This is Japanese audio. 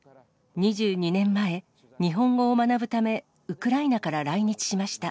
２２年前、日本語を学ぶため、ウクライナから来日しました。